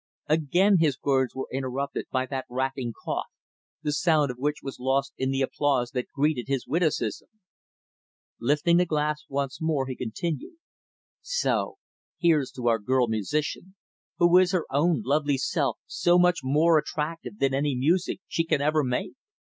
Again his words were interrupted by that racking cough, the sound of which was lost in the applause that greeted his witticism. Lifting the glass once more, he continued, "So here's to our girl musician who is her own lovely self so much more attractive than any music she can ever make."